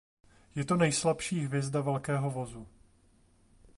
Je to nejslabší hvězda Velkého vozu.